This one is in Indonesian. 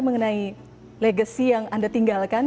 mengenai legacy yang anda tinggalkan